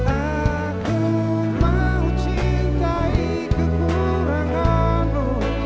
aku mau cintai kekuranganmu